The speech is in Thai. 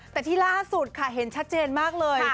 แต่ที่ล่าสุดค่ะเห็นชัดเจนมากเลย